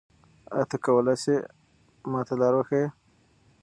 آیا ته کولای ېې ما ته لاره وښیې؟